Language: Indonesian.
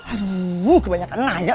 aduh kebanyakan aja